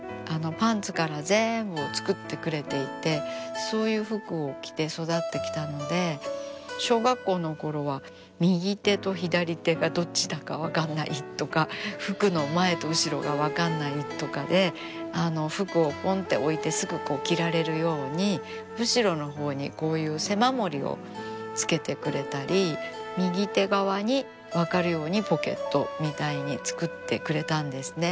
パンツから全部を作ってくれていてそういう服を着て育ってきたので小学校のころは右手と左手がどっちだか分かんないとか服の前と後ろが分かんないとかで服をぽんって置いてすぐ着られるように後ろのほうにこういう背守りをつけてくれたり右手側に分かるようにポケットみたいに作ってくれたんですね。